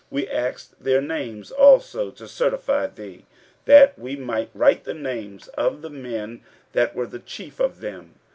15:005:010 We asked their names also, to certify thee, that we might write the names of the men that were the chief of them.